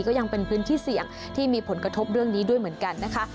ก็ยังเป็นพื้นที่เสี่ยงที่มีผลกระทบเรื่องนี้ด้วยเหมือนกันนะคะ